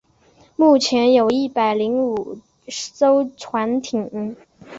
目前有一百零五艘船艇。